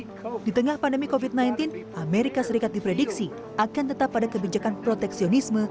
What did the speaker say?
pada tahun dua ribu sembilan belas amerika serikat diprediksi akan tetap pada kebijakan proteksionisme